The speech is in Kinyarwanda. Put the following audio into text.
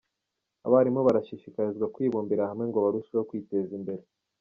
Abarimu barashishikarizwa kwibumbira hamwe ngo barusheho kwiteza imbere